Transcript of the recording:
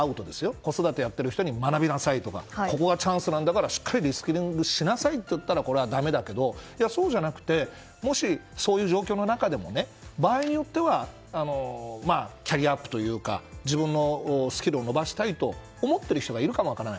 子育てやってる人に学びなさいとかここがチャンスなんだからしっかりリスキリングとなったらだめだけどもしそういう状況の中でも場合によってはキャリアアップというか自分のスキルを伸ばしたいと思っている人がいるかも分からない。